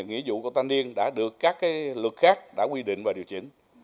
nghĩa vụ của thanh niên đã được các luật khác đã quy định và điều chỉnh